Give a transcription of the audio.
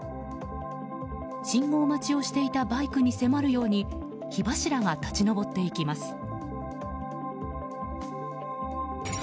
信号待ちをしていたバイクに迫るように火柱が立ち上っていきます。